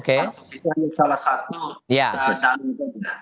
bansos itu hanya salah satu